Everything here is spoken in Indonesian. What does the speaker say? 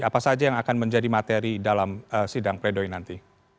apa saja yang akan menjadi materi dalam sidang pledoi nanti